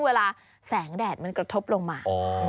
เวลาแสงแดดมันกระทบลงมา